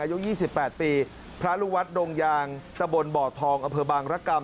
อายุ๒๘ปีพระลูกวัดดงยางตะบนบ่อทองอำเภอบางรกรรม